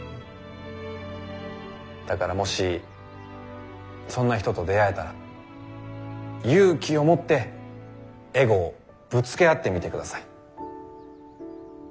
だからもしそんな人と出会えたら勇気を持ってエゴをぶつけ合ってみてください。